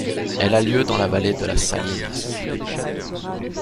Elle a lieu dans la Vallée de la Salinas.